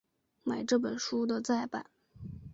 买这本书的再版